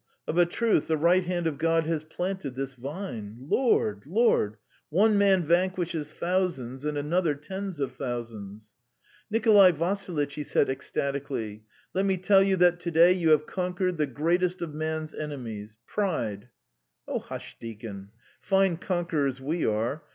Of a truth, the right hand of God has planted this vine! Lord! Lord! One man vanquishes thousands and another tens of thousands. Nikolay Vassilitch," he said ecstatically, "let me tell you that to day you have conquered the greatest of man's enemies pride." "Hush, deacon! Fine conquerors we are!